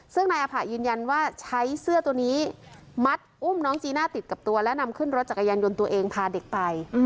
ซึ่งนายอภะยืนยันว่าใช้เสื้อตัวนี้มัดอุ้มน้องจีน่าติดกับตัวและนำขึ้นรถจักรยานยนต์ตัวเองพาเด็กไป